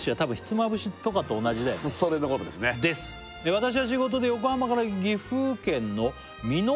「私は仕事で横浜から岐阜県の美濃加茂まで」